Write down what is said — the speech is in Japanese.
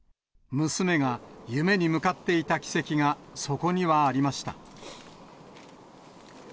娘が夢に向かっていった軌跡がそこにはありました。